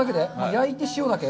焼いて、塩だけ？